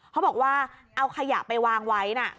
เขาบอกว่าเอาขยะไปวางไว้นะ